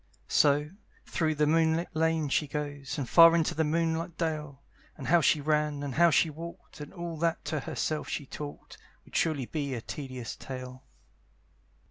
So, through the moonlight lane she goes, And far into the moonlight dale; And how she ran, and how she walked, And all that to herself she talked, Would surely be a tedious tale.